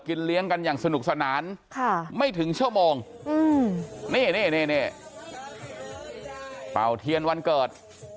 เลี้ยงกันอย่างสนุกสนานไม่ถึงชั่วโมงนี่เป่าเทียนวันเกิด